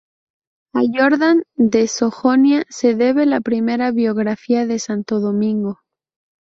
A Jordán de Sajonia se debe la primera biografía de santo Domingo.